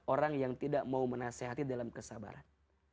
orang yang tidak mau menasehati dalam kesabaran